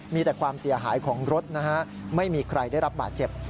มีแต่ความเสียหายของรถนะฮะไม่มีใครได้รับบาดเจ็บ